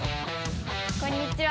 こんにちは。